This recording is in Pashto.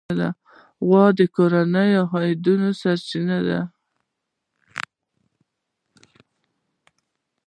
غوا د کورنۍ د عاید یوه سرچینه ده.